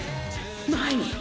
前に！！